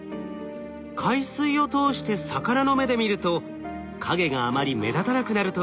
海水を通して魚の目で見ると影があまり目立たなくなるといいます。